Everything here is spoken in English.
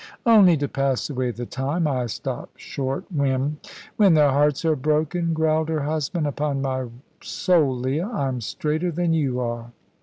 "Only to pass away the time. I stop short when " "When their hearts are broken," growled her husband. "Upon my soul, Leah, I'm straighter than you are."